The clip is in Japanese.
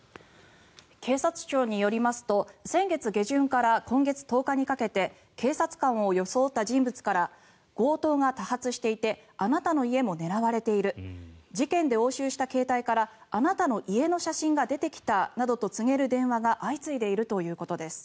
警察庁によりますと先月下旬から今月１０日にかけて警察官を装った人物から強盗が多発していてあなたの家も狙われている事件で押収した携帯からあなたの家の写真が出てきたなどと告げる電話が相次いでいるということです。